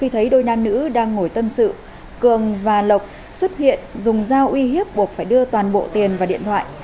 thấy đôi nam nữ đang ngồi tâm sự cường và lộc xuất hiện dùng dao uy hiếp buộc phải đưa toàn bộ tiền và điện thoại